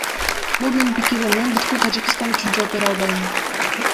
Бул менин пикирим, мен бүткүл Тажикстан үчүн жооп бере албайм.